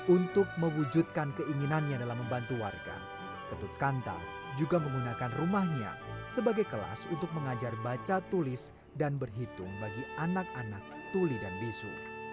untuk mewujudkan keinginannya dalam membantu warga ketut kanta juga menggunakan rumahnya sebagai kelas untuk mengajar baca tulis dan berhitung bagi anak anak tuli dan bisu